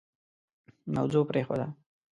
موضوع پرېښوده.